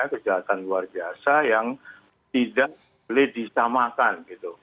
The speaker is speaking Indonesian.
kejahatan luar biasa yang tidak boleh disamakan